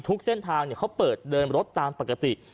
ทุกเส้นทางเขาเปิดเดินรถตามปกติ